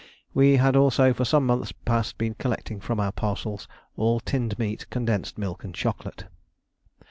We had also for some months past been collecting from our parcels all tinned meat, condensed milk, and chocolate.